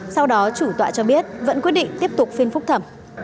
sau đó chủ tọa cho biết vẫn quyết định tiếp tục phiên phúc thẩm